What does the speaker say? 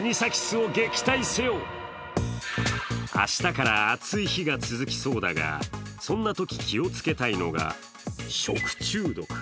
明日から暑い日が続きそうだが、そんなとき気をつけたいのが食中毒。